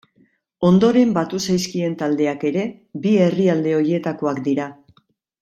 Ondoren batu zaizkien taldeak ere bi herrialde horietakoak dira.